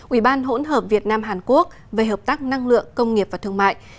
ubhvh về hợp tác năng lượng công nghiệp và thương mại